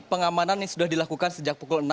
pengamanan yang sudah dilakukan sejak pukul enam